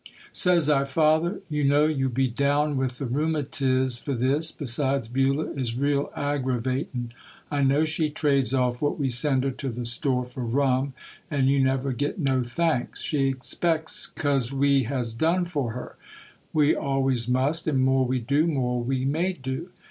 Says I, "Father, you know you'll be down with the rheumatis for this; besides, Beulah is real aggravatin'. I know she trades off what we send her to the store for rum, and you never get no thanks. She 'xpects, 'cause we has done for her, we always must; and more we do, more we may do."